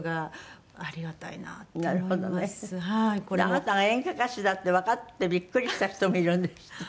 あなたが演歌歌手だってわかってビックリした人もいるんですって？